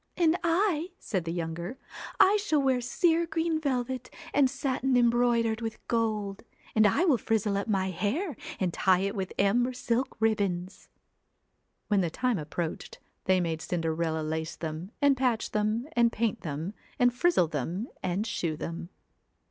'And I,' said the younger, 'I shall wear sere green velvet and satin embroidered with gold, and I will frizzle up my hair and tie it with amber silk ribbons.' 24 When the time approached they made Cinderella lace them, and patch them, and paint them, and frizzle them, and shoe them.